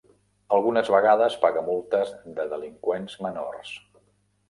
Algunes vegades paga multes de delinqüents menors.